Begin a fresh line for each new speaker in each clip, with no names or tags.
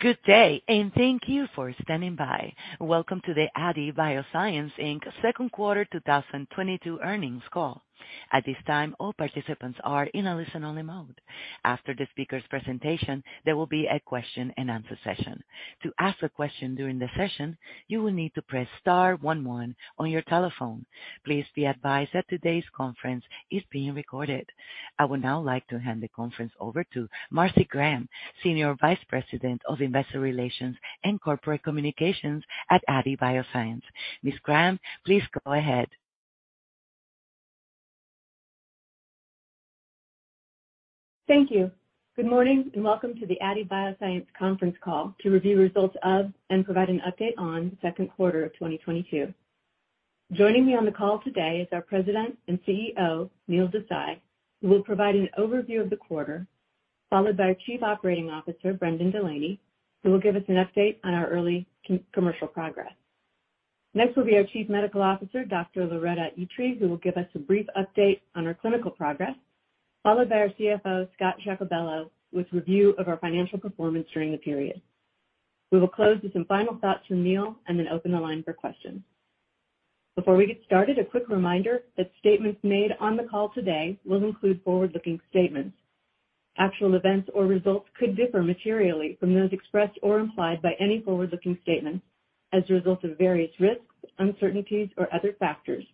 Good day, and thank you for standing by. Welcome to the Aadi Bioscience, Inc second quarter 2022 earnings call. At this time, all participants are in a listen-only mode. After the speaker's presentation, there will be a question and answer session. To ask a question during the session, you will need to press star one one on your telephone. Please be advised that today's conference is being recorded. I would now like to hand the conference over to Marcy Graham, Senior Vice President of Investor Relations and Corporate Communications at Aadi Bioscience. Ms. Graham, please go ahead.
Thank you. Good morning, and welcome to the Aadi Bioscience conference call to review results and provide an update on the second quarter of 2022. Joining me on the call today is our President and CEO, Neil Desai, who will provide an overview of the quarter, followed by our Chief Operating Officer, Brendan Delaney, who will give us an update on our early commercial progress. Next will be our Chief Medical Officer, Dr. Loretta Itri, who will give us a brief update on our clinical progress, followed by our CFO, Scott Giacobello, with review of our financial performance during the period. We will close with some final thoughts from Neil and then open the line for questions. Before we get started, a quick reminder that statements made on the call today will include forward-looking statements. Actual events or results could differ materially from those expressed or implied by any forward-looking statements as a result of various risks, uncertainties, or other factors,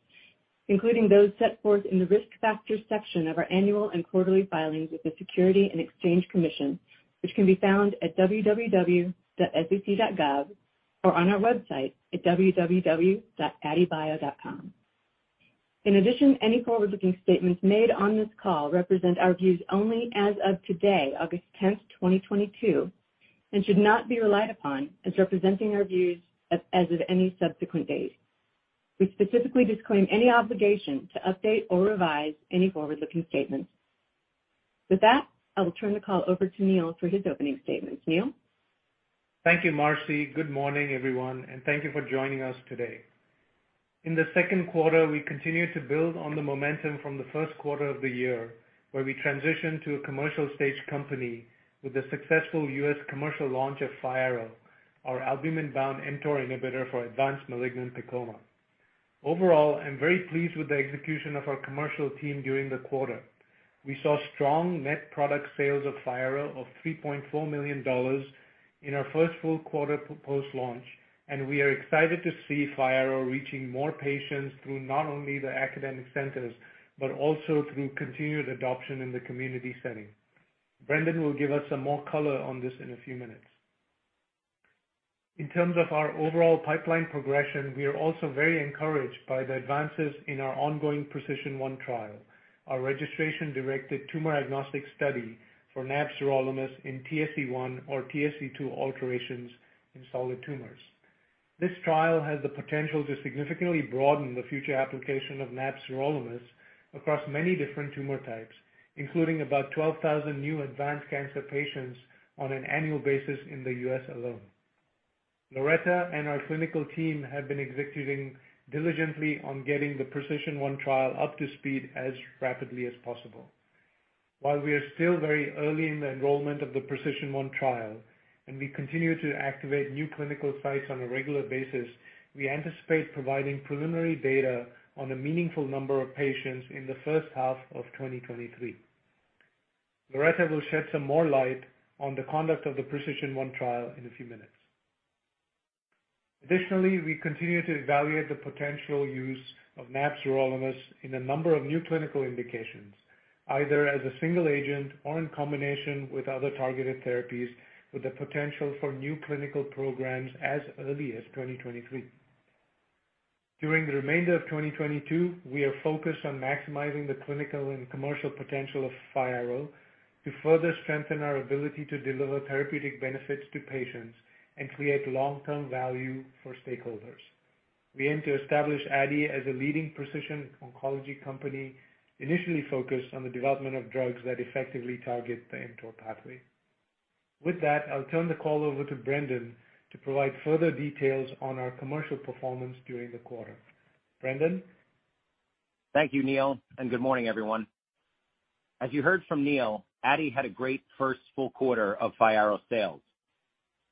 including those set forth in the Risk Factors section of our annual and quarterly filings with the Securities and Exchange Commission, which can be found at www.sec.gov or on our website at www.aadibio.com. In addition, any forward-looking statements made on this call represent our views only as of today, August 10th, 2022, and should not be relied upon as representing our views as of any subsequent date. We specifically disclaim any obligation to update or revise any forward-looking statements. With that, I will turn the call over to Neil for his opening statements. Neil?
Thank you, Marcy. Good morning, everyone, and thank you for joining us today. In the second quarter, we continued to build on the momentum from the first quarter of the year, where we transitioned to a commercial stage company with the successful U.S. commercial launch of FYARRO, our albumin-bound mTOR inhibitor for advanced malignant PEComa. Overall, I'm very pleased with the execution of our commercial team during the quarter. We saw strong net product sales of FYARRO of $3.4 million in our first full quarter post-launch, and we are excited to see FYARRO reaching more patients through not only the academic centers, but also through continued adoption in the community setting. Brendan will give us some more color on this in a few minutes. In terms of our overall pipeline progression, we are also very encouraged by the advances in our ongoing PRECISION1 trial, our registration-directed tumor-agnostic study for nab-sirolimus in TSC1 or TSC2 alterations in solid tumors. This trial has the potential to significantly broaden the future application of nab-sirolimus across many different tumor types, including about 12,000 new advanced cancer patients on an annual basis in the U.S. alone. Loretta and our clinical team have been executing diligently on getting the PRECISION1 trial up to speed as rapidly as possible. While we are still very early in the enrollment of the PRECISION1 trial, and we continue to activate new clinical sites on a regular basis, we anticipate providing preliminary data on a meaningful number of patients in the first half of 2023. Loretta will shed some more light on the conduct of the PRECISION1 trial in a few minutes. Additionally, we continue to evaluate the potential use of nab-sirolimus in a number of new clinical indications, either as a single agent or in combination with other targeted therapies with the potential for new clinical programs as early as 2023. During the remainder of 2022, we are focused on maximizing the clinical and commercial potential of FYARRO to further strengthen our ability to deliver therapeutic benefits to patients and create long-term value for stakeholders. We aim to establish Aadi as a leading precision oncology company, initially focused on the development of drugs that effectively target the mTOR pathway. With that, I'll turn the call over to Brendan to provide further details on our commercial performance during the quarter. Brendan?
Thank you, Neil, and good morning, everyone. As you heard from Neil, Aadi had a great first full quarter of FYARRO sales.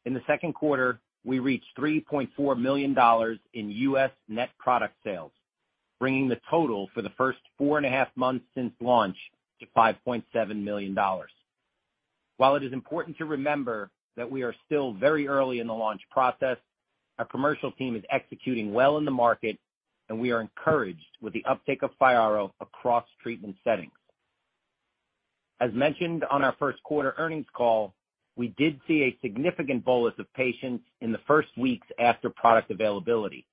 In the second quarter, we reached $3.4 million in U.S. net product sales, bringing the total for the first four and a half months since launch to $5.7 million. While it is important to remember that we are still very early in the launch process, our commercial team is executing well in the market, and we are encouraged with the uptake of FYARRO across treatment settings. As mentioned on our first quarter earnings call, we did see a significant bolus of patients in the first weeks after product availability,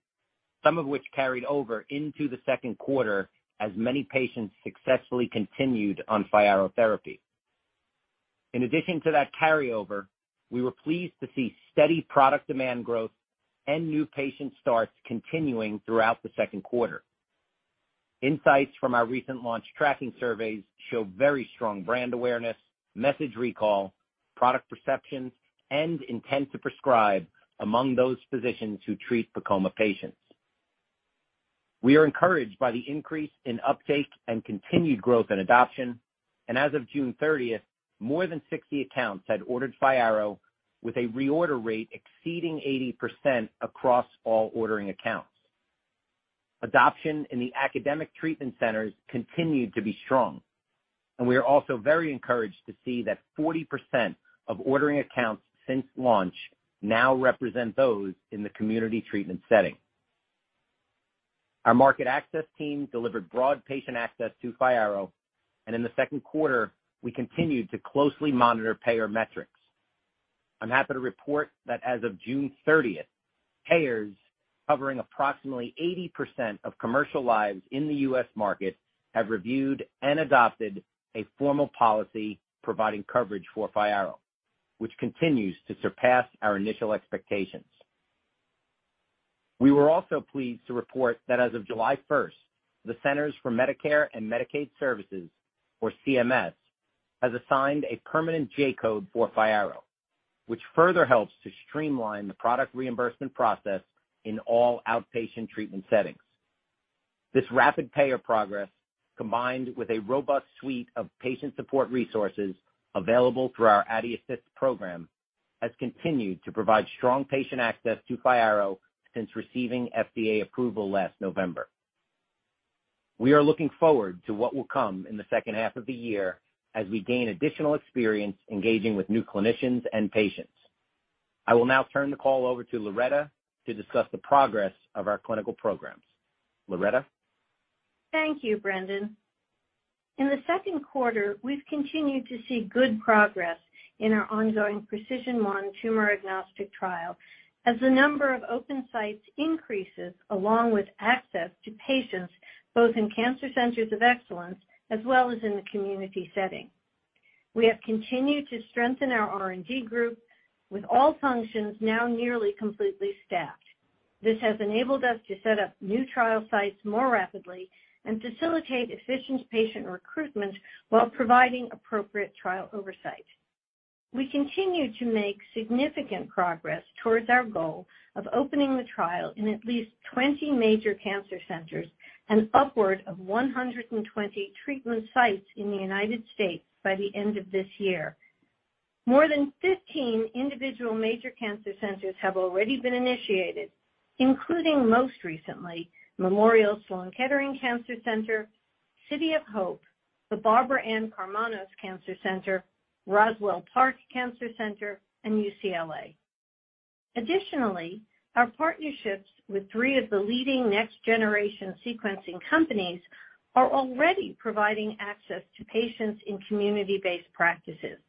some of which carried over into the second quarter as many patients successfully continued on FYARRO therapy. In addition to that carryover, we were pleased to see steady product demand growth and new patient starts continuing throughout the second quarter. Insights from our recent launch tracking surveys show very strong brand awareness, message recall, product perceptions, and intent to prescribe among those physicians who treat PEComa patients. We are encouraged by the increase in uptake and continued growth in adoption, and as of June 30th, 2022, more than 60 accounts had ordered FYARRO with a reorder rate exceeding 80% across all ordering accounts. Adoption in the academic treatment centers continued to be strong, and we are also very encouraged to see that 40% of ordering accounts since launch now represent those in the community treatment setting. Our market access team delivered broad patient access to FYARRO, and in the second quarter, we continued to closely monitor payer metrics. I'm happy to report that as of June 30th, 2022, payers covering approximately 80% of commercial lives in the U.S. market have reviewed and adopted a formal policy providing coverage for FYARRO, which continues to surpass our initial expectations. We were also pleased to report that as of July 1st, 2022, the Centers for Medicare & Medicaid Services, or CMS, has assigned a permanent J-code for FYARRO, which further helps to streamline the product reimbursement process in all outpatient treatment settings. This rapid payer progress, combined with a robust suite of patient support resources available through our AadiAssist program, has continued to provide strong patient access to FYARRO since receiving FDA approval last November. We are looking forward to what will come in the second half of the year as we gain additional experience engaging with new clinicians and patients. I will now turn the call over to Loretta to discuss the progress of our clinical programs. Loretta?
Thank you, Brendan. In the second quarter, we've continued to see good progress in our ongoing PRECISION1 tumor-agnostic trial as the number of open sites increases along with access to patients both in cancer centers of excellence as well as in the community setting. We have continued to strengthen our R&D group with all functions now nearly completely staffed. This has enabled us to set up new trial sites more rapidly and facilitate efficient patient recruitment while providing appropriate trial oversight. We continue to make significant progress towards our goal of opening the trial in at least 20 major cancer centers and upward of 120 treatment sites in the United States by the end of this year. More than 15 individual major cancer centers have already been initiated, including most recently Memorial Sloan Kettering Cancer Center, City of Hope, the Barbara Ann Karmanos Cancer Institute, Roswell Park Comprehensive Cancer Center, and UCLA. Additionally, our partnerships with three of the leading next-generation sequencing companies are already providing access to patients in community-based practices.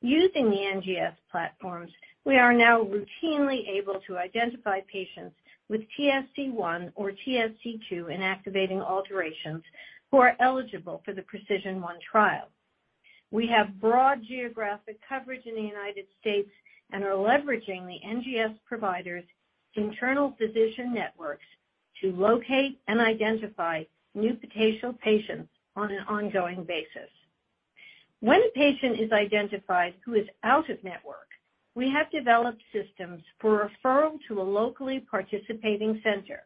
Using the NGS platforms, we are now routinely able to identify patients with TSC1 or TSC2 inactivating alterations who are eligible for the PRECISION1 trial. We have broad geographic coverage in the United States and are leveraging the NGS providers' internal physician networks to locate and identify new potential patients on an ongoing basis. When a patient is identified who is out of network, we have developed systems for referral to a locally participating center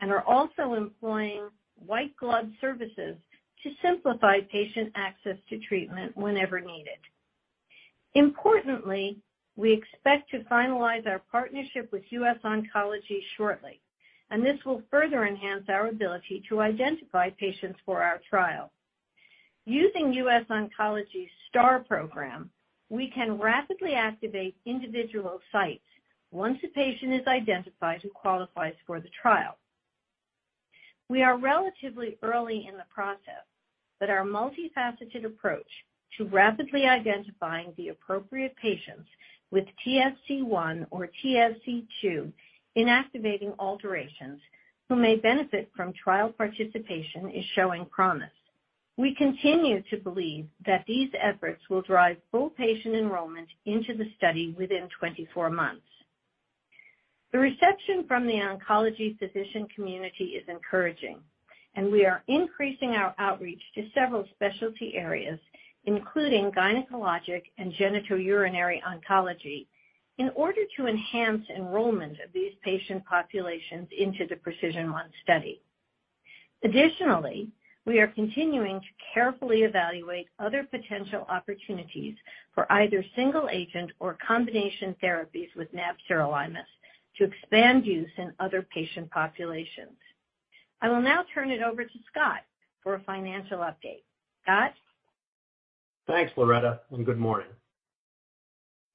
and are also employing white glove services to simplify patient access to treatment whenever needed. Importantly, we expect to finalize our partnership with US Oncology shortly, and this will further enhance our ability to identify patients for our trial. Using US Oncology's STAR program, we can rapidly activate individual sites once a patient is identified who qualifies for the trial. We are relatively early in the process, but our multifaceted approach to rapidly identifying the appropriate patients with TSC1 or TSC2 inactivating alterations who may benefit from trial participation is showing promise. We continue to believe that these efforts will drive full patient enrollment into the study within 24 months. The reception from the oncology physician community is encouraging, and we are increasing our outreach to several specialty areas, including gynecologic and genitourinary oncology, in order to enhance enrollment of these patient populations into the PRECISION1 study. Additionally, we are continuing to carefully evaluate other potential opportunities for either single agent or combination therapies with nab-sirolimus to expand use in other patient populations. I will now turn it over to Scott for a financial update. Scott?
Thanks, Loretta, and good morning.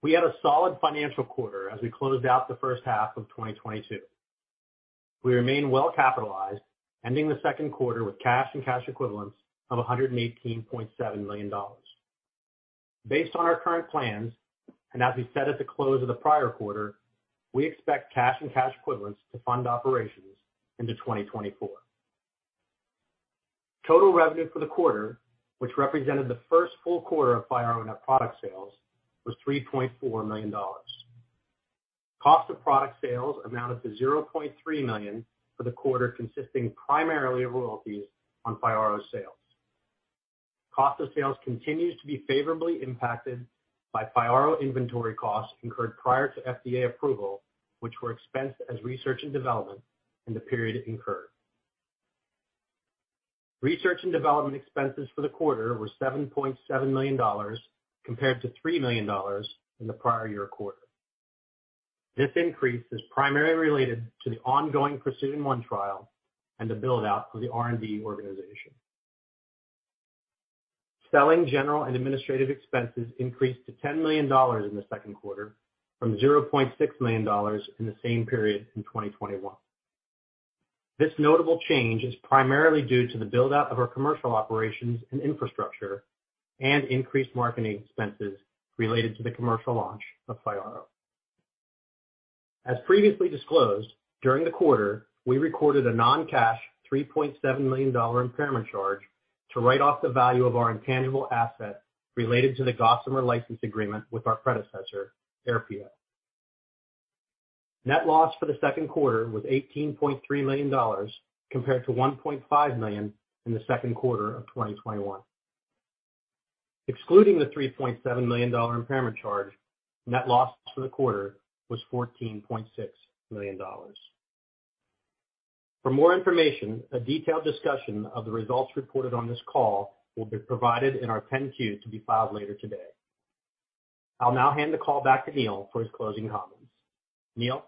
We had a solid financial quarter as we closed out the first half of 2022. We remain well capitalized, ending the second quarter with cash and cash equivalents of $118.7 million. Based on our current plans, and as we said at the close of the prior quarter, we expect cash and cash equivalents to fund operations into 2024. Total revenue for the quarter, which represented the first full quarter of FYARRO net product sales, was $3.4 million. Cost of product sales amounted to $0.3 million for the quarter, consisting primarily of royalties on FYARRO sales. Cost of sales continues to be favorably impacted by FYARRO inventory costs incurred prior to FDA approval, which were expensed as research and development in the period incurred. Research and development expenses for the quarter were $7.7 million compared to $3 million in the prior year quarter. This increase is primarily related to the ongoing PRECISION1 trial and the build-out for the R&D organization. Selling, general, and administrative expenses increased to $10 million in the second quarter from $0.6 million in the same period in 2021. This notable change is primarily due to the build-out of our commercial operations and infrastructure and increased marketing expenses related to the commercial launch of FYARRO. As previously disclosed, during the quarter, we recorded a non-cash $3.7 million impairment charge to write off the value of our intangible asset related to the Gossamer license agreement with our predecessor, Aerpio. Net loss for the second quarter was $18.3 million compared to $1.5 million in the second quarter of 2021. Excluding the $3.7 million impairment charge, net loss for the quarter was $14.6 million. For more information, a detailed discussion of the results reported on this call will be provided in our 10-Q to be filed later today. I'll now hand the call back to Neil for his closing comments. Neil?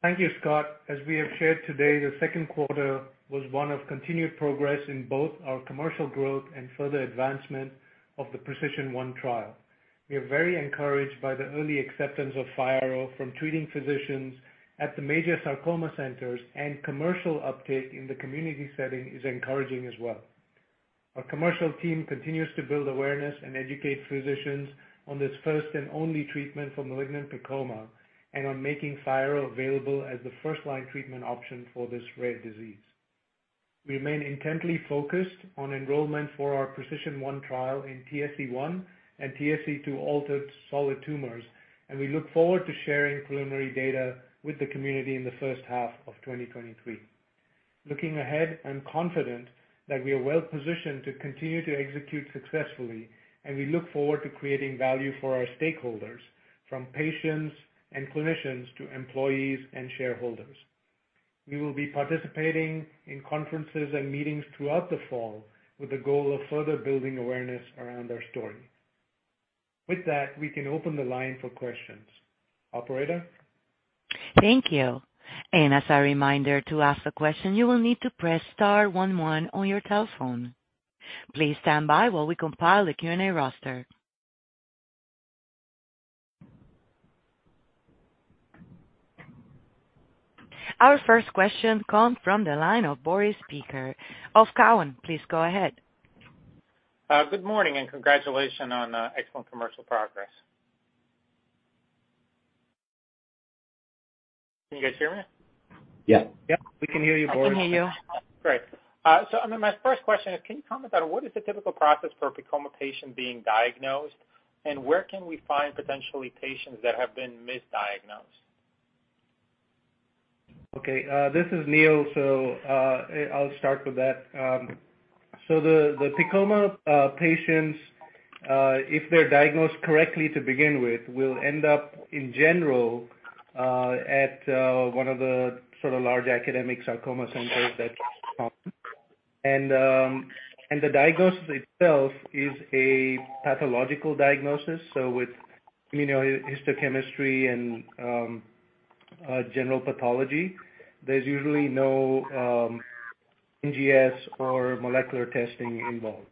Thank you, Scott. As we have shared today, the second quarter was one of continued progress in both our commercial growth and further advancement of the PRECISION1 trial. We are very encouraged by the early acceptance of FYARRO from treating physicians at the major sarcoma centers, and commercial uptake in the community setting is encouraging as well. Our commercial team continues to build awareness and educate physicians on this first and only treatment for malignant sarcoma and on making FYARRO available as the first-line treatment option for this rare disease. We remain intently focused on enrollment for our PRECISION1 trial in TSC1 and TSC2 altered solid tumors, and we look forward to sharing preliminary data with the community in the first half of 2023. Looking ahead, I'm confident that we are well positioned to continue to execute successfully, and we look forward to creating value for our stakeholders, from patients and clinicians to employees and shareholders. We will be participating in conferences and meetings throughout the fall with the goal of further building awareness around our story. With that, we can open the line for questions. Operator?
Thank you. As a reminder, to ask a question, you will need to press star one one on your telephone. Please stand by while we compile the Q&A roster. Our first question comes from the line of Boris Peaker of Cowen. Please go ahead.
Good morning and congratulations on excellent commercial progress. Can you guys hear me?
Yeah.
Yeah, we can hear you, Boris.
I can hear you.
Great. I mean, my first question is, can you comment on what is the typical process for a sarcoma patient being diagnosed, and where can we find potentially patients that have been misdiagnosed?
Okay, this is Neil. I'll start with that. The sarcoma patients, if they're diagnosed correctly to begin with, will end up, in general, at one of the sort of large academic sarcoma centers that's common. The diagnosis itself is a pathological diagnosis, so with immunohistochemistry and general pathology, there's usually no NGS or molecular testing involved.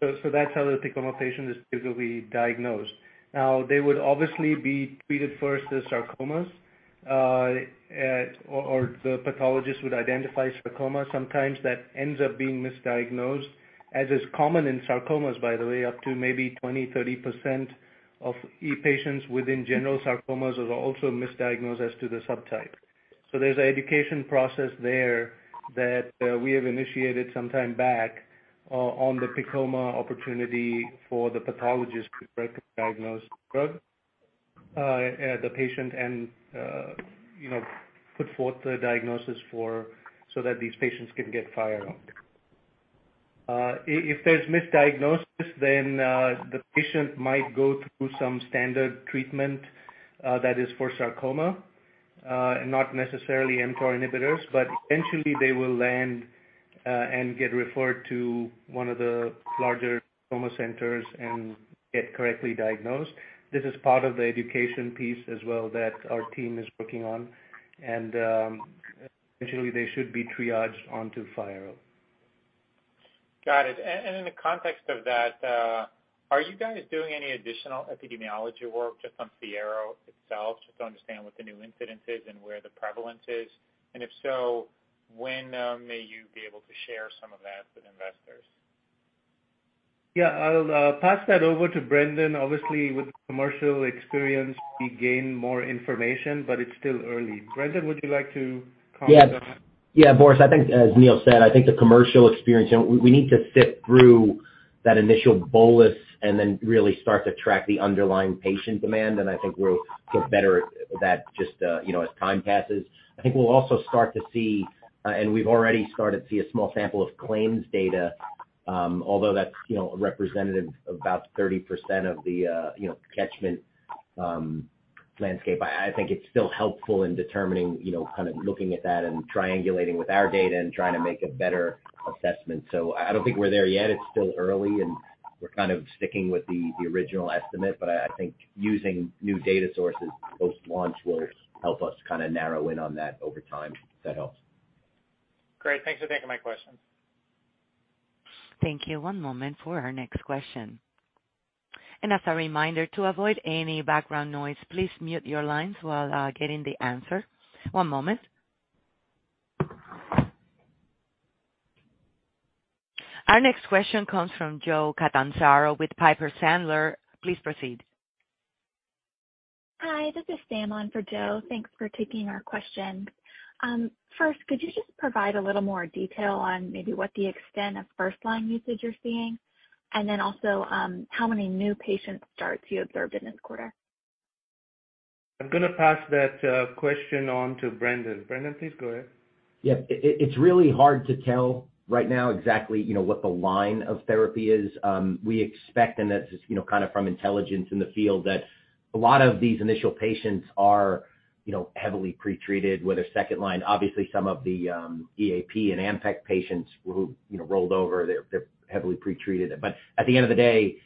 That's how the sarcoma patient is typically diagnosed. Now, they would obviously be treated first as sarcomas, or the pathologist would identify sarcoma. Sometimes that ends up being misdiagnosed, as is common in sarcomas, by the way, up to maybe 20%-30% of patients within general sarcomas are also misdiagnosed as to the subtype. There's an education process there that we have initiated some time back on the sarcoma opportunity for the pathologist to correctly diagnose the patient and you know put forth the diagnosis for so that these patients can get FYARRO. If there's misdiagnosis, then the patient might go through some standard treatment that is for sarcoma not necessarily mTOR inhibitors, but eventually they will land and get referred to one of the larger sarcoma centers and get correctly diagnosed. This is part of the education piece as well that our team is working on. Eventually they should be triaged onto FYARRO.
Got it. In the context of that, are you guys doing any additional epidemiology work just on FYARRO itself, just to understand what the new incidence is and where the prevalence is? If so, when may you be able to share some of that with investors?
Yeah. I'll pass that over to Brendan. Obviously, with commercial experience, we gain more information, but it's still early. Brendan, would you like to comment on that?
Yeah. Yeah, Boris, I think, as Neil said, I think the commercial experience, you know, we need to sit through that initial bolus and then really start to track the underlying patient demand, and I think we'll get better at that just, you know, as time passes. I think we'll also start to see, and we've already started to see a small sample of claims data, although that's, you know, representative of about 30% of the, you know, catchment landscape. I think it's still helpful in determining, you know, kind of looking at that and triangulating with our data and trying to make a better assessment. I don't think we're there yet. It's still early, and we're kind of sticking with the original estimate. I think using new data sources post-launch will help us kinda narrow in on that over time, if that helps.
Great. Thanks for taking my question.
Thank you. One moment for our next question. As a reminder, to avoid any background noise, please mute your lines while getting the answer. One moment. Our next question comes from Joe Catanzaro with Piper Sandler. Please proceed.
Hi, this is Sam on for Joe. Thanks for taking our question. First, could you just provide a little more detail on maybe what the extent of first-line usage you're seeing? And then also, how many new patient starts you observed in this quarter?
I'm gonna pass that question on to Brendan. Brendan, please go ahead.
Yeah. It's really hard to tell right now exactly, you know, what the line of therapy is. We expect, and that's just, you know, kind of from intelligence in the field, that a lot of these initial patients are, you know, heavily pre-treated with a second line. Obviously, some of the EAP and AMPECT patients who, you know, rolled over, they're heavily pre-treated. At the end of the day,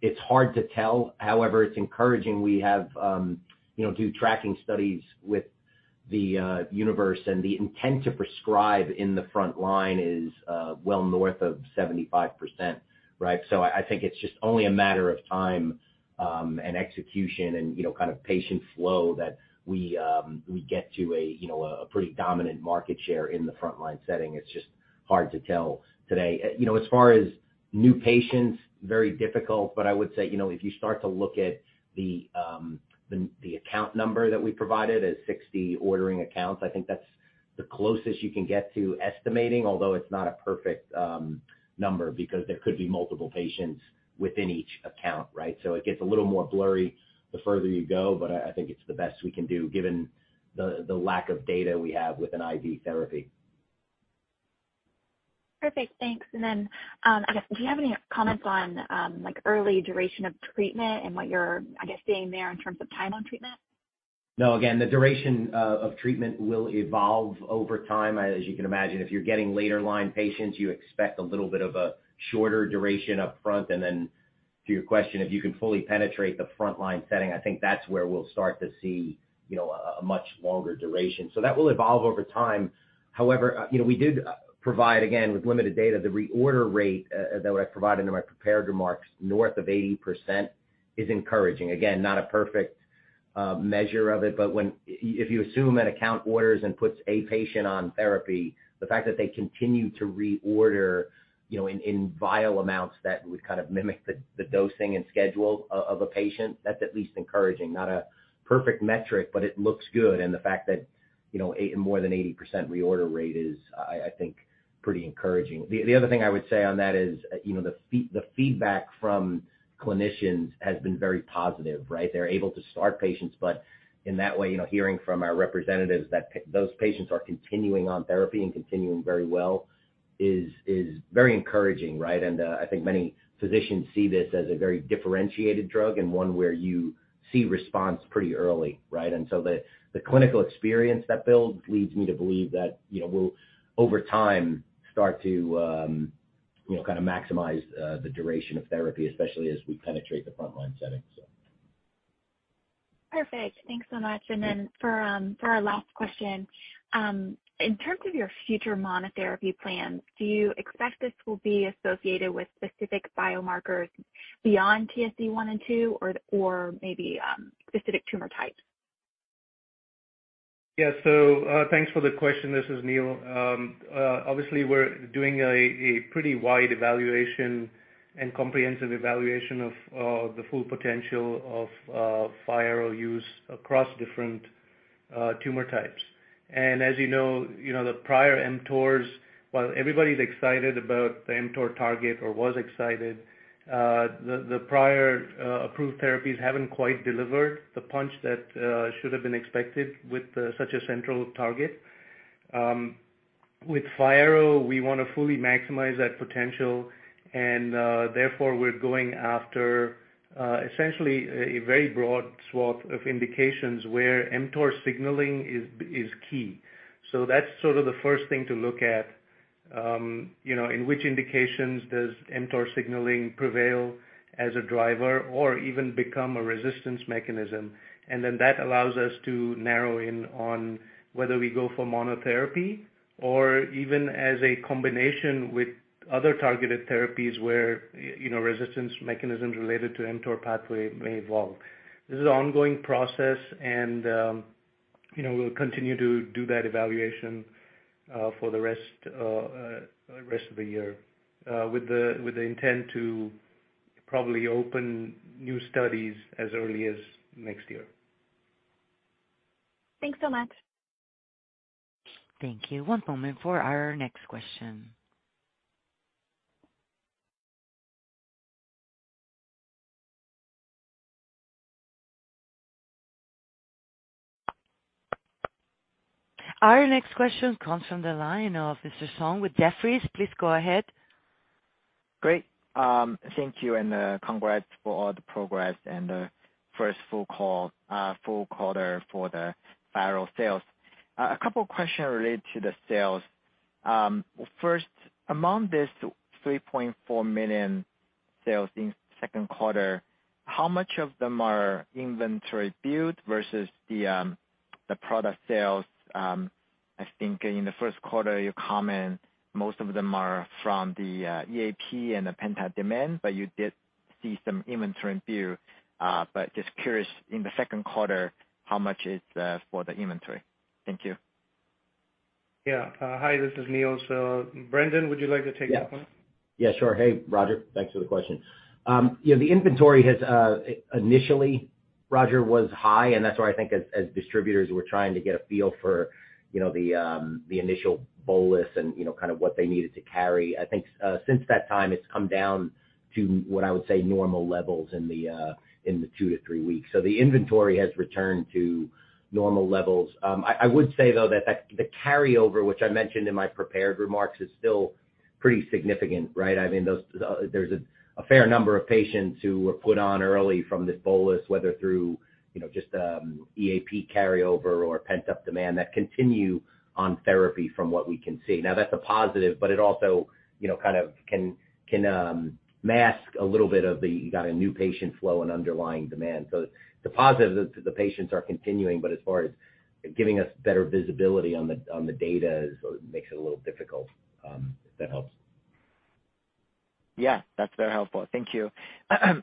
it's hard to tell. However, it's encouraging. We have, you know, do tracking studies with the universe, and the intent to prescribe in the front line is well north of 75%, right? I think it's just only a matter of time, and execution and, you know, kind of patient flow that we get to a, you know, a pretty dominant market share in the front-line setting. It's just hard to tell today. You know, as far as new patients, very difficult. I would say, you know, if you start to look at the account number that we provided as 60 ordering accounts, I think that's the closest you can get to estimating, although it's not a perfect number because there could be multiple patients within each account, right? It gets a little more blurry the further you go, but I think it's the best we can do given the lack of data we have with an IV therapy.
Perfect. Thanks. I guess, do you have any comments on, like, early duration of treatment and what you're, I guess, seeing there in terms of time on treatment?
No. Again, the duration of treatment will evolve over time. As you can imagine, if you're getting later line patients, you expect a little bit of a shorter duration up front. To your question, if you can fully penetrate the front line setting, I think that's where we'll start to see, you know, a much longer duration. That will evolve over time. However, you know, we did provide, again, with limited data, the reorder rate that I provided in my prepared remarks, north of 80% is encouraging. Again, not a perfect measure of it, but if you assume an account orders and puts a patient on therapy, the fact that they continue to reorder, you know, in vial amounts that would kind of mimic the dosing and schedule of a patient, that's at least encouraging. Not a perfect metric, but it looks good. The fact that, you know, more than 80% reorder rate is, I think pretty encouraging. The other thing I would say on that is, you know, the feedback from clinicians has been very positive, right? They're able to start patients, but in that way, you know, hearing from our representatives that those patients are continuing on therapy and continuing very well is very encouraging, right? I think many physicians see this as a very differentiated drug and one where you see response pretty early, right? The clinical experience that builds leads me to believe that, you know, we'll over time start to, you know, kinda maximize the duration of therapy, especially as we penetrate the front line setting.
Perfect. Thanks so much. For our last question. In terms of your future monotherapy plans, do you expect this will be associated with specific biomarkers beyond TSC1 and TSC2 or maybe specific tumor types?
Yeah, thanks for the question. This is Neil. Obviously, we're doing a pretty wide evaluation and comprehensive evaluation of the full potential of FYARRO use across different tumor types. As you know, you know the prior mTORs, while everybody's excited about the mTOR target or was excited, the prior approved therapies haven't quite delivered the punch that should have been expected with such a central target. With FYARRO, we wanna fully maximize that potential and therefore we're going after essentially a very broad swath of indications where mTOR signaling is key. That's sort of the first thing to look at. You know, in which indications does mTOR signaling prevail as a driver or even become a resistance mechanism. That allows us to narrow in on whether we go for monotherapy or even as a combination with other targeted therapies where, you know, resistance mechanisms related to mTOR pathway may evolve. This is an ongoing process and, you know, we'll continue to do that evaluation for the rest of the year with the intent to probably open new studies as early as next year.
Thanks so much.
Thank you. One moment for our next question. Our next question comes from the line of Roger Song with Jefferies. Please go ahead.
Great. Thank you and congrats for all the progress and the first full quarter for the FYARRO sales. A couple questions related to the sales. First, among these $3.4 million sales in second quarter, how much of them are inventory build versus the product sales? I think in the first quarter, you comment most of them are from the EAP and the pent-up demand, but you did see some inventory build. Just curious, in the second quarter, how much is for the inventory? Thank you.
Yeah. Hi, this is Neil. Brendan, would you like to take that one?
Yeah. Yeah, sure. Hey, Roger, thanks for the question. You know, the inventory has initially, Roger, was high, and that's why I think as distributors were trying to get a feel for, you know, the initial bolus and, you know, kind of what they needed to carry. I think since that time, it's come down to what I would say normal levels in the two to three weeks. The inventory has returned to normal levels. I would say, though, that the carryover, which I mentioned in my prepared remarks, is still pretty significant, right? I mean, those, there's a fair number of patients who were put on early from this bolus, whether through, you know, just EAP carryover or pent-up demand that continue on therapy from what we can see. Now, that's a positive, but it also, you know, kind of can mask a little bit of the you got a new patient flow and underlying demand. The positive is the patients are continuing, but as far as giving us better visibility on the data is what makes it a little difficult, if that helps.
Yeah, that's very helpful. Thank you.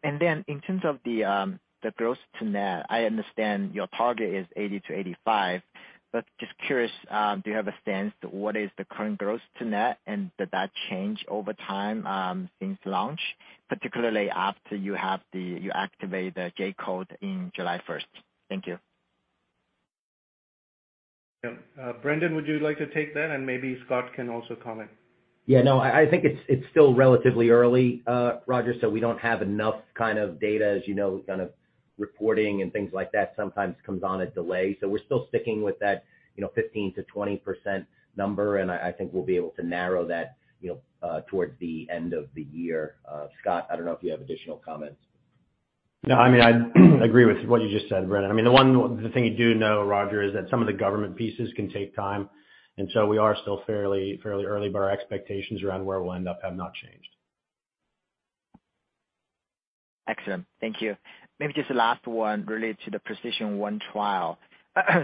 In terms of the gross to net, I understand your target is 80%-85%. But just curious, do you have a sense what is the current gross to net and did that change over time since launch, particularly after you activate the J-code in July 1st, 2022? Thank you.
Yeah. Brendan, would you like to take that? Maybe Scott can also comment.
Yeah, no, I think it's still relatively early, Roger, so we don't have enough kind of data. As you know, kind of reporting and things like that sometimes comes on a delay. We're still sticking with that, you know, 15%-20% number, and I think we'll be able to narrow that, you know, towards the end of the year. Scott, I don't know if you have additional comments.
No, I mean, I agree with what you just said, Brendan. I mean, the thing you do know, Roger, is that some of the government pieces can take time, and so we are still fairly early, but our expectations around where we'll end up have not changed.
Excellent. Thank you. Maybe just the last one related to the PRECISION1 trial.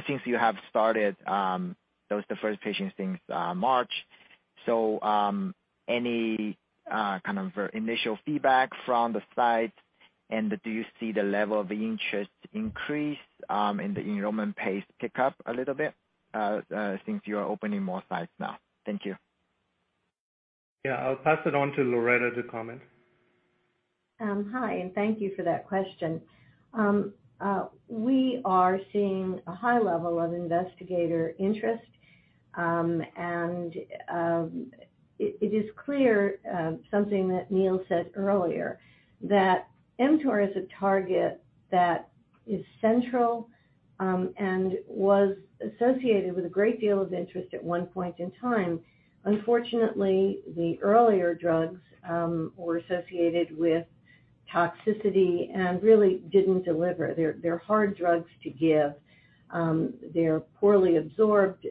Since you have started the first patients since March. Any kind of initial feedback from the sites? Do you see the level of interest increase and the enrollment pace pick up a little bit since you are opening more sites now? Thank you.
Yeah. I'll pass it on to Loretta to comment.
Hi, thank you for that question. We are seeing a high level of investigator interest, and it is clear, something that Neil said earlier, that mTOR is a target that is central, and was associated with a great deal of interest at one point in time. Unfortunately, the earlier drugs were associated with toxicity and really didn't deliver. They're hard drugs to give. They're poorly absorbed.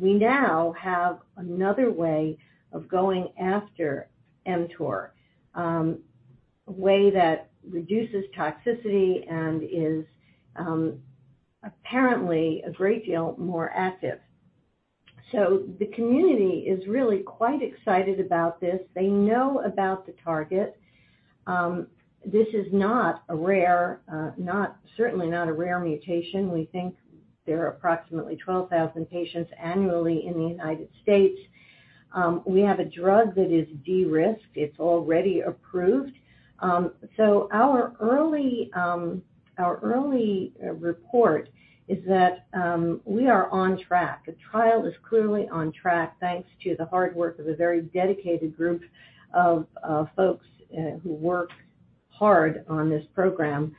We now have another way of going after mTOR, a way that reduces toxicity and is apparently a great deal more active. The community is really quite excited about this. They know about the target. This is not a rare mutation, certainly not a rare mutation. We think there are approximately 12,000 patients annually in the United States. We have a drug that is de-risked. It's already approved. Our early report is that we are on track. The trial is clearly on track. Thanks to the hard work of a very dedicated group of folks who work hard on this program.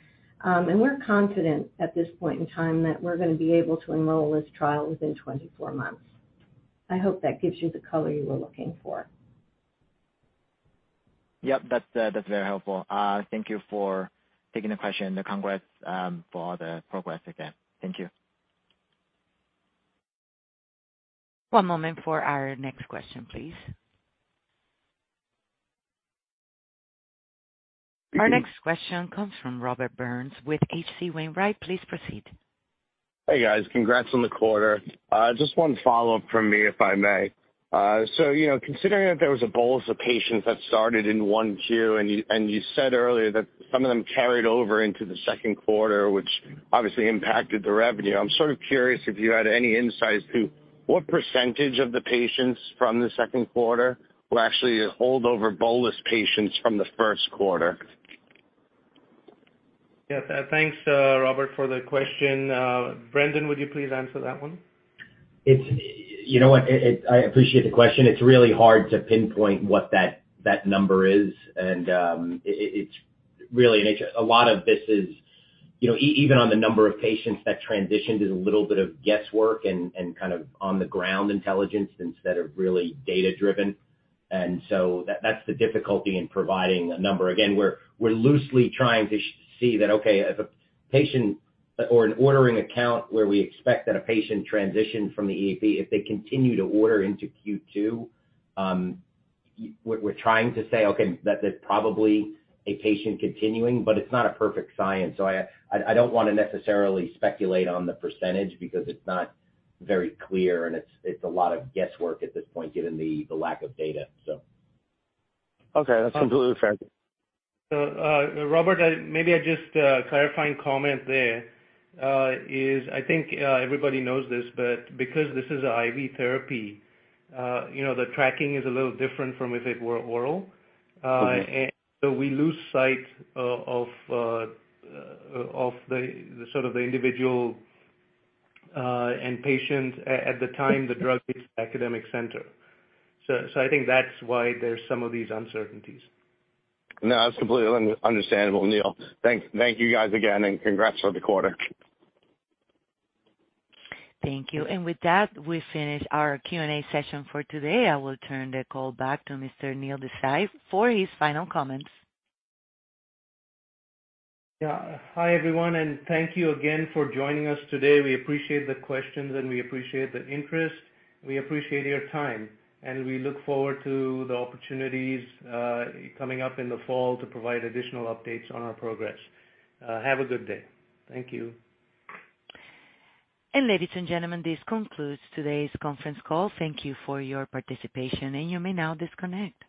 We're confident at this point in time that we're gonna be able to enroll this trial within 24 months. I hope that gives you the color you were looking for.
Yep, that's very helpful. Thank you for taking the question and congrats for all the progress again. Thank you.
One moment for our next question, please. Our next question comes from Robert Burns with H.C. Wainwright. Please proceed.
Hey, guys. Congrats on the quarter. Just one follow-up from me, if I may. So, you know, considering that there was a bolus of patients that started in 1Q, and you said earlier that some of them carried over into the second quarter, which obviously impacted the revenue, I'm sort of curious if you had any insights to what percentage of the patients from the second quarter were actually holdover bolus patients from the first quarter?
Yeah. Thanks, Robert, for the question. Brendan, would you please answer that one?
You know what? I appreciate the question. It's really hard to pinpoint what that number is. A lot of this is, you know, even on the number of patients that transitioned is a little bit of guesswork and kind of on-the-ground intelligence instead of really data-driven. That's the difficulty in providing a number. Again, we're loosely trying to see that, okay, if a patient or an ordering account where we expect that a patient transitioned from the EAP, if they continue to order into Q2, we're trying to say, okay, that there's probably a patient continuing, but it's not a perfect science. I don't wanna necessarily speculate on the percentage because it's not very clear, and it's a lot of guesswork at this point given the lack of data, so.
Okay. That's completely fair.
Robert, maybe I just clarifying comment there, is I think everybody knows this, but because this is a IV therapy, you know, the tracking is a little different from if it were oral.
Mm-hmm.
So, we lose sight of the sort of individual and patient at the time the drug leaves academic center. I think that's why there's some of these uncertainties.
No, that's completely understandable, Neil. Thank you guys again, and congrats on the quarter.
Thank you. With that, we finish our Q&A session for today. I will turn the call back to Mr. Neil Desai for his final comments.
Yeah. Hi, everyone, and thank you again for joining us today. We appreciate the questions, and we appreciate the interest. We appreciate your time, and we look forward to the opportunities, coming up in the fall to provide additional updates on our progress. Have a good day. Thank you.
Ladies and gentlemen, this concludes today's conference call. Thank you for your participation, and you may now disconnect.